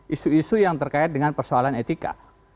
isu isu yang terkait dengan persoalan etika